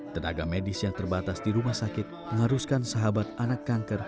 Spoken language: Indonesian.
tenaga medis yang terbatas di rumah sakit mengharuskan sahabat anak kanker